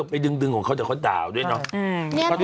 ไปดึงของเขาเดี๋ยวเขาด่าด้วยเนาะ